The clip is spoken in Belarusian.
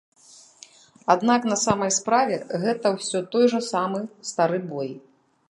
Аднак на самай справе гэта ўсё той жа самы стары бой.